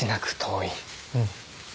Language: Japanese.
うん。